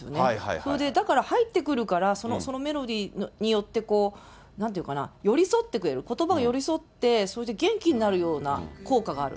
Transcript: それで、だから入ってくるから、そのメロディーによって、なんていうかな、寄り添ってくれる、ことばを寄り添って、それで元気になるような効果がある。